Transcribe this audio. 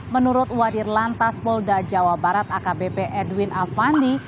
menurut wadirlan tasbolda jawa barat akbp edwin afandi